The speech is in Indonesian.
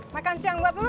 makan siang buat lo